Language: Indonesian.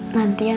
nanti ya nek